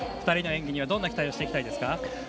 ２人の演技にはどんな期待をしていきたいですか？